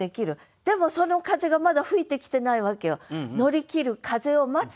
でもその風がまだ吹いてきてないわけよ。